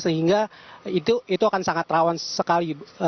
sehingga itu akan sangat rawan sekali